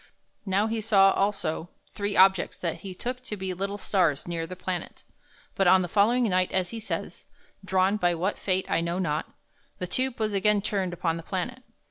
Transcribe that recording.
Now he saw also three objects that he took to be little stars near the planet. But on the following night, as he says, "drawn by what fate I know not," the tube was again turned upon the planet.